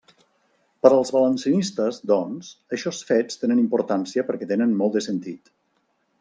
Per als valencianistes, doncs, eixos fets tenen importància perquè tenen molt de sentit.